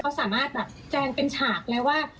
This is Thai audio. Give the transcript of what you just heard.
เขาสามารถแบบแจงเป็นฉากแล้วว่า